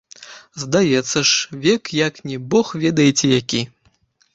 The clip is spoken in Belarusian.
Здаецца ж, век як не бог ведаеце які.